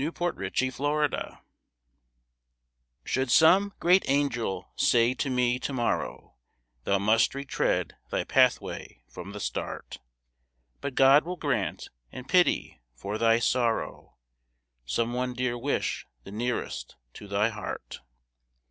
=The Wish= Should some great angel say to me to morrow, "Thou must re tread thy pathway from the start, But God will grant, in pity, for thy sorrow, Some one dear wish, the nearest to thy heart."